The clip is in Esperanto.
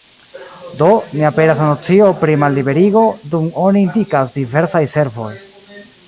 Do, ne aperas la nocio pri malliberigo, dum oni indikas "diversaj servoj".